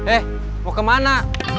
eh mau kemana